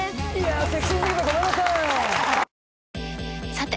さて！